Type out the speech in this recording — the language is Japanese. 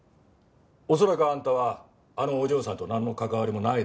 恐らくあんたはあのお嬢さんとなんの関わりもないだろう。